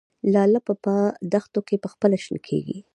لاله په دښتو کې پخپله شنه کیږي